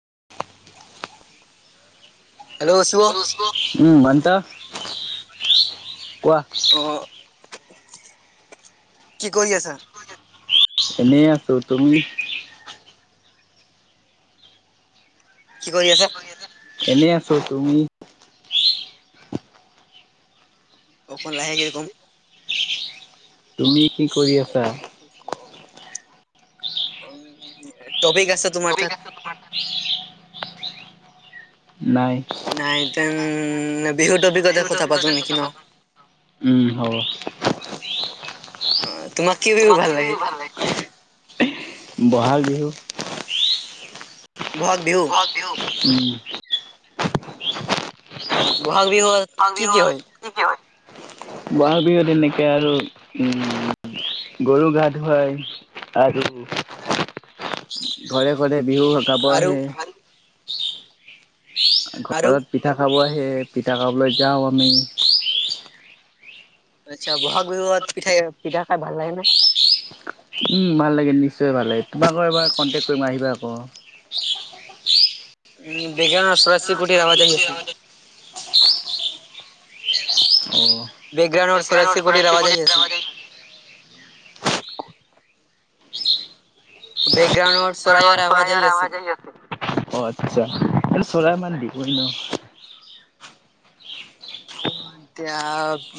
[unintelligible] Hello Shiva অ [unintelligible] উম বন্ত [unintelligible] কোৱা। কি কৰি আছা? এনেই আছোঁ। তুমি? কি কৰি আছা এনেই আছো, তুমি? অকন লাহেকে কম। তুমি কি কৰি আছা? তবি গাছত তৰি গাছত তোমাৰ। নাই নাই দেন বিহু তলিতে কথা পাতো নেকি ন। তোমাক কি বিহু ভাল লাগে? ব'হাগ বিহু। ব'হাগ বিহু? উম। বহাগ বিহুত ব'হাগ কি বিহুত হয় কি কি হয়? বহাগ বিহু এনেকে আৰু উম। গৰু গা ধুৱাই আৰু [unintelligible] ঘৰে ঘৰে বিহু গাব আৰু আহে। আৰু ঘৰত পিঠা খাব আহে পিঠা খাবলৈ যাওঁ আমি। আচ্ছা ব'হাগ বিহুত পিঠাই পিঠা খাই ভাল লাগে নে? উম ভাল লাগে নিশ্চয় ভাল লাগে। তোমাকো এবাৰ কণ্টেক্ট কৰিম আহিবা আক। [inaudible] বেকগ্ৰাউণ্ডৰ চৰাই চিৰিকটিৰ আৱাজ আহি আছে [unintelligible] অ বেকগ্ৰাউণ্ডৰ চৰাই চিৰিকটিৰ আৱাজ আহি আছে [unintelligible] চৰাইৰ আৱাজ আহি আছে অ আচ্ছা। আৰু চৰাইমাত দিবই ন। এতিয়া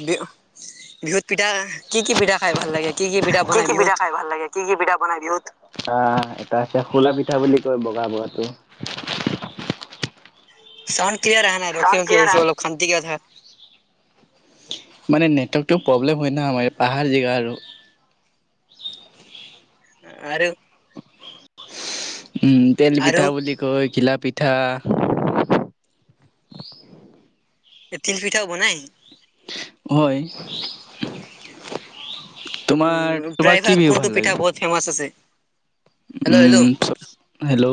বি বিহুত পিঠা কি কি পিঠা খাই ভাল লাগে? কি পিঠা কি বনাই কি বিহুত পিঠা খাই ভাল লাগে কি কি পিঠা বনাই বিহুত? এটা আছে খোলা পিঠা বুলি কয় বগা বগাটো। চাউণ্ড ক্লিয়াৰ আহা নাই। ৰখি ৰখি আহিছে, বৰ অশান্তি কথা। মানে নেটৱৰ্কটো প্ৰব্লেম হয় না আমাৰ পাহাৰ জেগা আৰু! আৰু? উম আৰু তেলপিঠা বুলি কয়, ঘিলাপিঠা পিঠা। এই তিলপিঠাও বনায়? হয়। তোমাৰ, উম তোমাৰ প্ৰায়ভাগ কি বিহু কোনটো ভাল পিঠা লাগে? বহুত ফেমাচ আছে হেল্ল' উম হেল্ল' চব, হেল্ল'।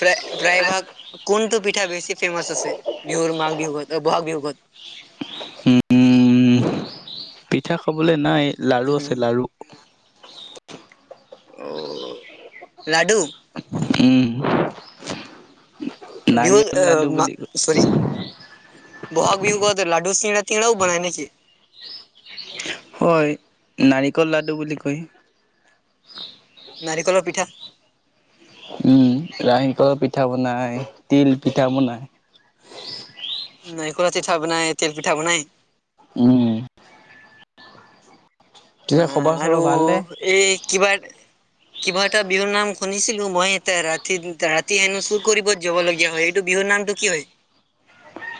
প্ৰায়, প্ৰায়ভাগ কোনটো পিঠা বেছি ফেমাচ আছে? বিহুৰ মাঘ বিহুত, অ' বহাগ বিহুত! উম, পিঠা খাবলে নাই। লাৰু উম আছে লাৰু! অ' লাডু। উম। বিহু, নাৰিকল লাডু বুলি কয়, চৰী। ব'হাগ বিহুকত লাডু সিং তিৰাও বনাই নেকি? হয়, নাৰিকল লাডু বুলি কয়। নাৰিকলৰ পিঠা উম। ৰাহি কলৰ পিঠা পিঠা বনায়, তিলপিঠা বনায়। নাৰিকলৰ পিঠা বনায়, তিলপিঠা বনায়। উম। পিছে আ খবৰ আৰু চবৰ ভালনে এই কিবাৰ! কিবা এটা বিহুৰ নাম শুনিছিলো মই। ৰাতি, ৰাতি হেনো চুৰ কৰিব যাবলগীয়া হয়। এইটো বিহুৰ নামটো কি হয়?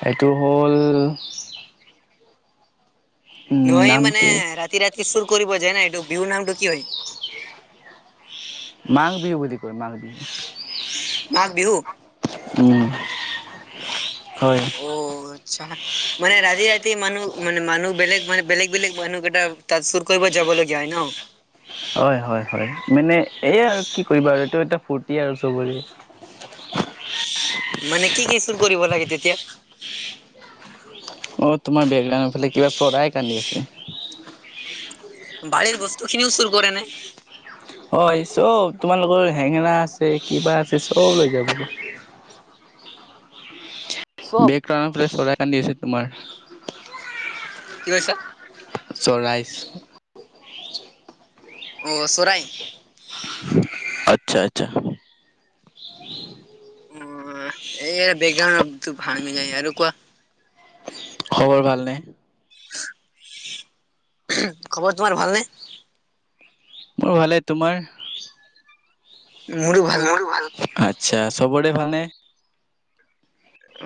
এইটো হ'ল, উম নোৱাৰি মানে, নামটো ৰাতি-ৰাতি চুৰ কৰিব যাই না। এইটো বিহু নামটো কি হয়? মাঘ বিহু বুলি কয় মাঘ বিহু মাঘ বিহু উম, হয়। অ আচ্ছা মানে ৰাতি ৰাতি মানুহ, মানে মানুহ বেলেগ মানে বেলেগ বেলেগ মানুহকেইটা তাত চুৰ কৰিব যাব লাগে। যায় ন? হয় হয় হয়। মানে এইয়া আৰু কি কৰিবা আৰু এইটো এটা ফুৰ্তি আৰু চবৰে। মানে কি কি চুৰ কৰিব লাগে তেতিয়া? অ' তোমাৰ বেকগ্ৰাউণ্ডৰ ফালে কিবা চৰাই কান্দি আছে। বাৰীৰ বস্তুখিনিও চুৰ কৰে নে? হয় চব, তোমালোকৰ হেঙেৰা আছে কিবা আছে চব লৈ যাব। চব [unintelligible] ফালে চৰাই কান্দি আছে তোমাৰ। কি কৈছা? [unintelligible] অ' চৰাই। আচ্ছা আচ্ছা। অ' এ বেক [unintelligible] মে যায়, আৰু কোৱা। খবৰ ভালনে? খবৰ তোমাৰ ভালনে? মোৰ ভালে, তোমাৰ? মোৰো ভাল আচ্ছা, চবৰে ভালনে?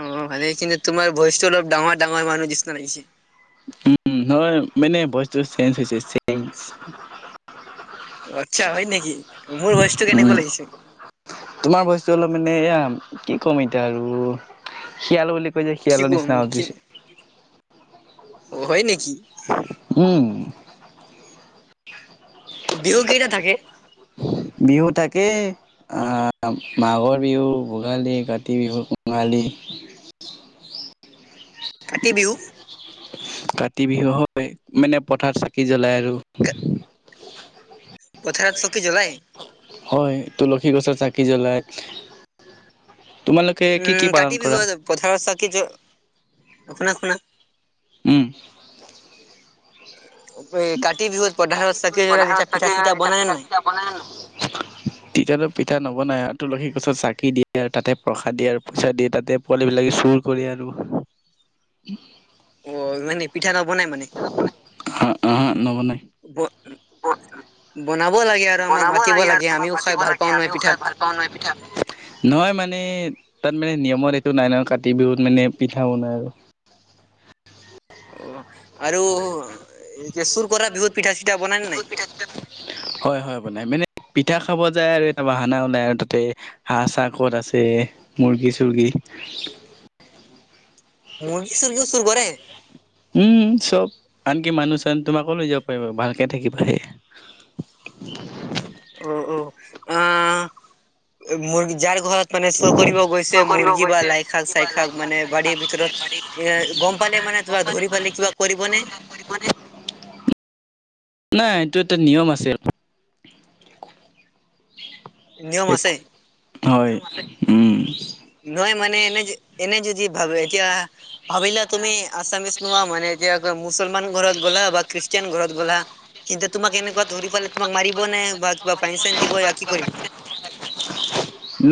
অ' ভালেই। কিন্তু তোমাৰ ভয়চটো অলপ ডাঙৰ ডাঙৰ মানুহ নিচনা লাগিছে। উম নহয় মানে, ভয়চটো চেঞ্জ হৈছে, চেঞ্জ আচ্ছা হয় নেকি? মোৰ ভয়চটো উম, কেনেকুৱা লাগিছে? তোমাৰ ভয়চটো অলপ মানে, এয়া কি ক'ম এতিয়া আৰু! শিয়াল বুলি কয় যে, কি শিয়ালৰ কম নিচিনা আৱাজ কি দিছে। অ', - হয় নেকি? উম',। বিহু কেইটা থাকে? বিহু তাকেই অ', - মাঘৰ বিহু, ভোগালী, কাতি বিহু কঙালী [inaudible] কাতি বিহু? কাতি বিহু হয়, মানে পথাৰ চাকি জ্বলাই আৰু পথাৰত চ কি জ্বলাই? হয় তুলসী গছৰ চাকি জ্বলায় উম', উম', - কাতি বিহুৱ পথাৰ চাকি জ, -শুনা শুনা উম', এই হম', কাতি বিহুত - পথাৰত কাতি বিহুত চাকি জ্বলাই যেতিয়া পথাৰত পিঠা চাকি জ্বলাই চিঠা তেতিয়া বনাই নে পিঠা নাই? সিঠা বনাই ন? তেতিয়াতো পিঠা নবনাই, ইয়াত তুলসী গছত চাকি দিয়ে আৰু তাতে প্ৰসাদ দিয়ে আৰু পইচা দিয়ে তাতে পোৱালিবিলাকে চুৰ কৰে আৰু উম', অ', মানে পিঠা নবনাই মানে আঁহা', নবনাই ব নহয়, ক'ত অ', বনাব লাগে আৰু আমাক বনাব মাতিব লাগে আৰু আমাক আমিও খাই মাতিব ভাল লাগে পাওঁ নহয় আমিও পিঠা। খাই ভাল পাওঁ নহয় পিঠা। নহয় মানে তাত মানে নিয়মত এইটো নাই ন কাতি বিহুত মানে পিঠা বনাই আৰু অহ', আৰু চুৰ কৰা বিহুত পিঠা চিঠা বনাই নে নাই? পিঠা সিঠা, হয়', - হয়', - বনাই। মানে পিঠা খাব যায় আৰু এটা বাহানা ওলাই আৰু তাতে হাঁহ চাহ কত আছে, মুৰ্গী চুৰ্গী মুৰ্গী চুৰ্গীয়ো চুৰ কৰে? উম', চব, আনকি মানুহ চানুহ, তোমাকো লৈ যাব পাৰিব, ভালকে থাকিবা সে হ'ম ', অঁ', - অঁ',। আহ', মুৰ্গী যাৰ ঘৰত মানে চুৰ কৰিব গৈছে মুৰ্গী বা লাই শাক চাই শাক মানে বাৰীৰ ভিতৰত, এ গম পালে মা মানে, তোমাক ধৰি পালি কিবা কৰিব নে? মানে [inaudible] নাই, এইটো এটা নিয়ম আছিল আৰু নিয়ম আছে? হয় উম নহয় মানে এনে য এনে যদি ভাবে, এতিয়া ভাবি লোৱা তুমি আছামিছ নোহোৱা মানে এতিয়া মুছলমান ঘৰত গ'লা বা খ্ৰীষ্ট খ্ৰীষ্টান ঘৰত গ'লা, কিন্তু তোমাক এনেকুৱা ধৰি পালি তোমাক মাৰিব নে বা কিবা ফাইন চাইন দিব, কি কৰিব?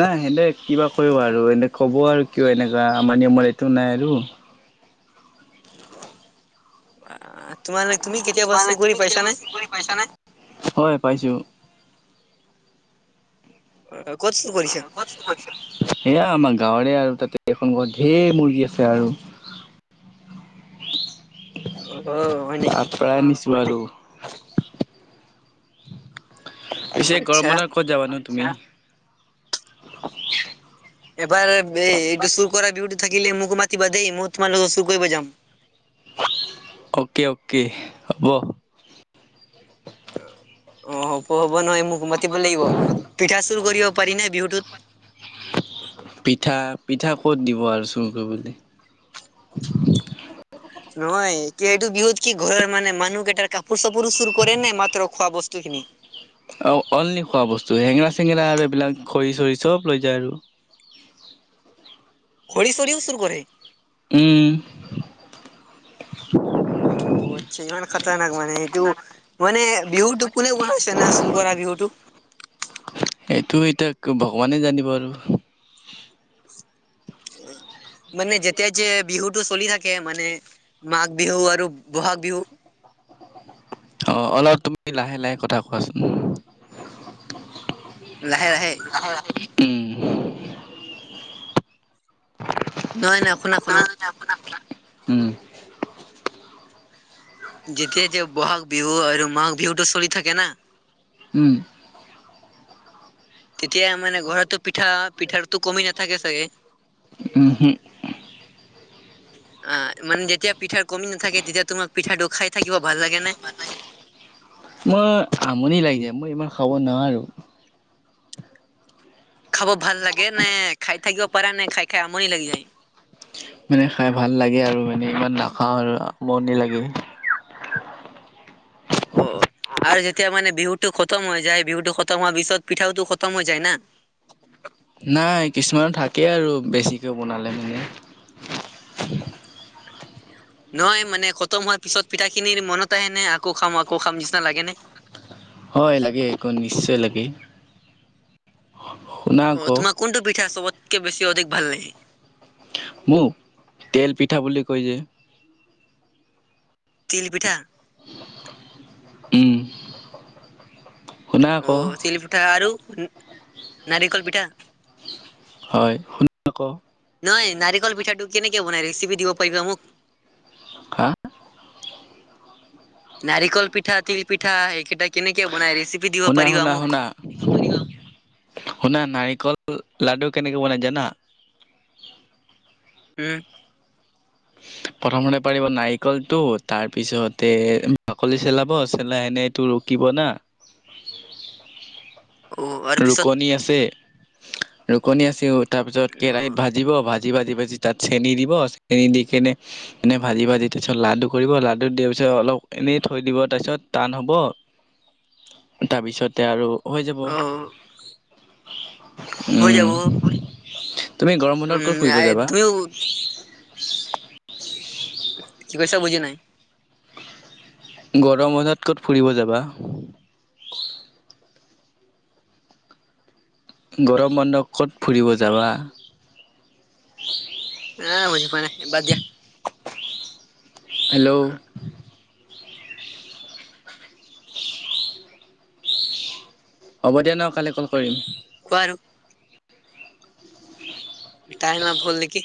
নাই, সেতে কিবা কৰিব আৰু, এনে ক'ব আৰু কিয় এনেকুৱা মানে আমাৰ নিয়মত এইটো নাই আৰু আ', - তোমালোক তুমি কেতিয়া চোৰ কৰি পাইছা নে? হয় পাইছো অ', অ', - ক'ত চুৰ কৰিছা? সেয়া আমাৰ গাঁৱৰে আৰু, তাতে, এখন ঘৰত ধেৰ মুৰ্গী আছে আৰু, অ', হয় নেকি? তাৰ পৰাই আহিছোঁ বাৰু পিছে গৰম আচ্ছা। বন্ধত ক'ত যাবানো তুমি? এবাৰ, এইটো চুৰ কৰা বিহুতটো থাকিলে মোকো মাতিবা দেই, মই তোমাৰ লগত চুৰ কৰিব যাম অ'কে, অ'কে, হ'ব। অঁ', হব হব নহয়, মোক মাতিব লাগিব, পিঠা চুৰ কৰিব পাৰি নাই বিহুটোত? পিঠা, পিঠা ক'ত দিব আৰু চুৰ কৰিবলে? নহয়, কি এইটো বিহুত কি ঘৰৰ মানে মানুহকেইটাৰ কাপোৰ চাপোৰো চুৰ কৰে নে মাত্ৰ খোৱা বস্তু বস্তখিনি? অ', - অনলি খোৱা বস্তু, হেঙেৰা চেঙেৰা আৰু এইবিলাক খৰি চৰি চব লৈ যায় আৰু খৰি চৰিও চুৰ কৰে? উম অ আচ্ছা ইমান খাতাৰনাক্ মানে এইটো মানে বিহুতটো কোনে বনাইছে এনে চুৰ কৰা বিহুতটো? সেইটো এতিয়া ভগৱানে জানিব আৰু। [inaudible] মানে যেতিয়া যে বিহুটো চলি থাকে মানে মাঘ বিহু আৰু বহাগ বিহু। অ অলপ তুমি লাহে লাহে কথা কোৱাচোন। লাহে লাহে উম। [unintelligible] নহয় নহয় শুনা শুনা হম। যেতিয়া যে বহাগ বিহু আৰু মাঘ বিহুটো চলি থাকে না উম। তেতিয়া মানে, ঘৰতো পিঠা, পিঠাৰটো কমি নাথাকে চাগে? উম হম আঁ, মানে যেতিয়া পিঠাৰ কমি নাথাকে, তেতিয়া তোমাক পিঠাটো খাই থাকিব ভাল লাগে নে? মোৰ আমনি লাগে। মই ইমান খাব নোৱাৰো। খাব ভাল লাগে নে? খাই থাকিব পাৰা নে? খাই খাই আমনি লাগি যায়? মানে খাই ভাল লাগে আৰু মানে, ইমান নাখাওঁ আৰু আমনি লাগে। অঁ আৰু যেতিয়া মানে বিহুটো খতম হৈ যায়। বিহুটো খতম হোৱাৰ পিছত, পিঠাওটো খতম হৈ যায় না। [inaudible] নাই। কিছুমানত থাকেই আৰু বেছিকে বনালে মানে। [inaudible] বাকি ভাল আও? নহয় মানে, খতম হোৱাৰ পিছত পিঠাখিনিৰ মনত আহেনে? আকৌ খাম, আকৌ খাম নিচিনা লাগে নে? হ'য়, লাগে ক্‌ নিশ্চয় লাগে। শুনা অঁ আকৌ তোমাক কোনটো পিঠা চবতকে বেছি, অধিক ভাল লাগে? মোক? তেল পিঠা বুলি কৈ যে। তিল পিঠা। ওঁ অঁ, তিল পিঠা আৰু নাৰিকল পিঠা। হ'য়, শুত্‌ [unintelligible] নাই। নাৰিকল পিঠাটো কেনেকে বনাই? ৰেচিপি দিব পাৰিবা মোক। হাঁ নাৰিকল পিঠা, তিল পিঠা এইকেইটা কেনেকে বনাই? ৰেচিপি দিব শুনা পাৰিবা শুনা মোক। শুনা [inaudible] শুনা, নাৰিকল অ লাডু কেনেকে বনাই জানা? হোঁ' [inaudible] প্ৰথমতে পাৰিব নাৰিকলটো তাৰ পিছতে বাকলি চেলাব, চেলাই এনেটো ৰুকি [unintelligible] দিব না? [inaudible] আৰু পিছত ৰুকনি আছে, ৰুকনি আছে ও তাৰ পিছত কেৰাহিত ভাজিব ভাজি [unintelligible] জি ভাজি ভাজি তাত চেনি দিব। চেনি দি কিনে এনে ভাজি ভাজি তাৰপিছত লাডু কৰিব, লাডুত দিয়া পিছত [unintelligible] তে অলপ এনেই থৈ দিব, তাৰপিছত টান হ'ব [inaudible] তাৰপিছতে আৰু হৈ যাব। [inaudible] হৈ হুম যাব [unintelligible] তুমি গৰম বন্ধত ক'ত ফুৰিব উম, যাবা? তুমিও কি কৈছা বুজি নাই? গৰম বন্ধত ক'ত ফুৰিব যাবা? গৰম বন্ধ ক'ত ফুৰিব যাবা? আঁ বুজি পোৱা নাই বাদ দিয়া। হেল্ল'! হ'ব দিয়া ন কালি কল কৰিম। বাৰু টাইম আপ হ'ল নেকি?